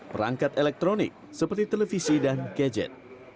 perangkat elektronik seperti televisi dan gadget